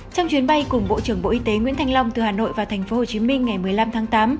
trong chuyến bay cùng bộ trưởng bộ y tế nguyễn thanh long từ hà nội và tp hcm ngày một mươi năm tháng tám